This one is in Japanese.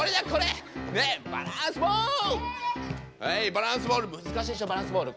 バランスボール難しいでしょバランスボール。